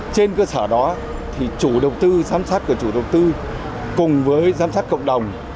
trên cơ sở đó thì chủ đầu tư giám sát của chủ đầu tư cùng với giám sát cộng đồng